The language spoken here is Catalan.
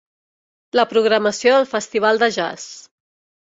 La programació del festival de jazz.